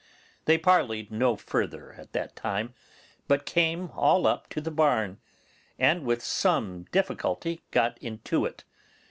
They parleyed no further at that time, but came all up to the barn, and with some difficulty got into it.